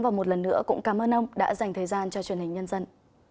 và một lần nữa cũng cảm ơn ông đã dành thời gian cho truyền hình nhân dân